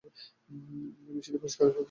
এই বিষয়টি আরও পরিষ্কাররূপে বিশ্লেষণ করা হইয়াছে।